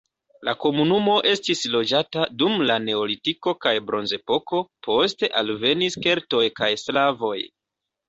La komunumo estis loĝata dum la neolitiko kaj bronzepoko, poste alvenis keltoj kaj slavoj.